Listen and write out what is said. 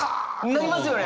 なりますよね！